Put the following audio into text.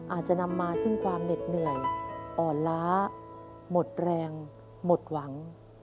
อาจจะนำมาซึ่งความเหน็ดเหนื่อยอ่อนล้าหมดแรงหมดหวัง